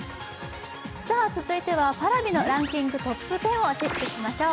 続いてはＰａｒａｖｉのランキングトップ１０を見ていきましょう。